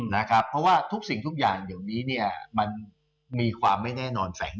เพราะว่าทุกสิ่งทุกอย่างเดี๋ยวนี้เนี่ยมันมีความไม่แน่นอนแฝง